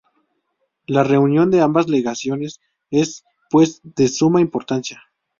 La reunión de ambas legaciones es pues de suma importancia.